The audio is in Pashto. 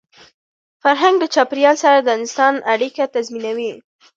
فرهنګ د چاپېریال سره د انسان اړیکه تنظیموي.